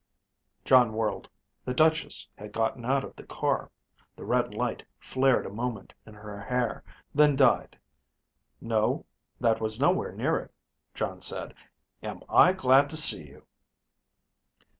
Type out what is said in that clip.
Jon whirled. The Duchess had gotten out of the car. The red light flared a moment in her hair, then died. "No. That was nowhere near it," Jon said. "Am I glad to see you."